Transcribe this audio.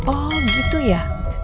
oh gitu ya